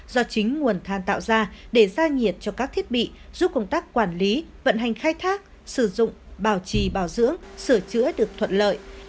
do chính nguồn than tạo ra để ra nhiệt cho các thiết bị giúp công tác quản lý vận hành khai thác sử dụng bảo trì bảo dưỡng sửa chữa được thuận lợi